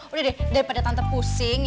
udah deh daripada tante pusing